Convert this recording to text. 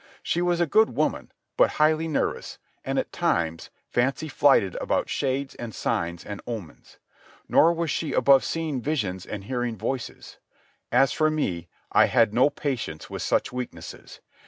She was a good woman, but highly nervous, and, at times, fancy flighted about shades and signs and omens. Nor was she above seeing visions and hearing voices. As for me, I had no patience with such weaknesses.